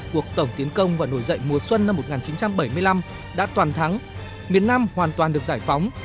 cuộc tổng tiến công và nổi dậy mùa xuân năm một nghìn chín trăm bảy mươi năm đã toàn thắng miền nam hoàn toàn được giải phóng